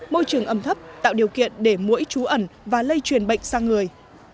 môi trường ẩm thấp tạo điều kiện để mũi trú ẩn và lây truyền bệnh sang người